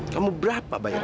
kamu berapa bayar